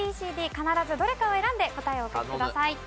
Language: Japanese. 必ずどれかを選んで答えをお書きください。